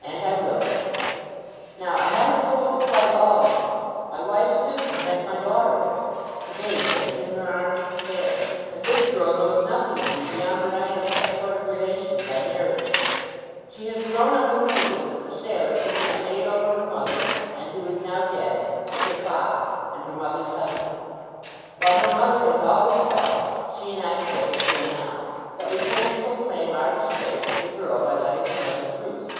"And I will." "Now, I haven't told you quite all yet. My wife Susan has my daughter with her—the baby that was in her arms at the fair; and this girl knows nothing of me beyond that I am some sort of relation by marriage. She has grown up in the belief that the sailor to whom I made over her mother, and who is now dead, was her father, and her mother's husband. What her mother has always felt, she and I together feel now—that we can't proclaim our disgrace to the girl by letting her know the truth.